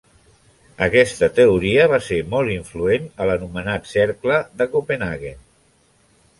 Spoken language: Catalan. Aquesta teoria va ser molt influent a l'anomenat cercle de Copenhaguen.